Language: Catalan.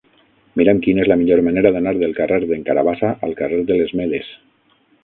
Mira'm quina és la millor manera d'anar del carrer d'en Carabassa al carrer de les Medes.